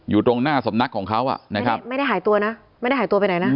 อยู่ตรงหน้าสำนักของเขาอ่ะนะครับไม่ได้หายตัวนะไม่ได้หายตัวไปไหนนะ